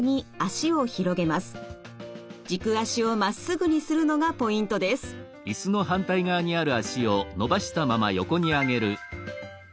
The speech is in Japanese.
軸足をまっすぐにするのがポイントです。